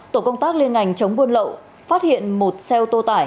tổ công tác liên ngành chống buôn lậu phát hiện một xe ô tô tải